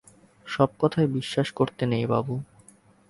সব কথায় বিশ্বাস করতে নেই, বাবু।